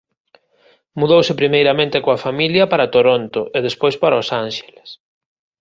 Mudouse primeiramente coa familia para Toronto e despois para Os Ánxeles.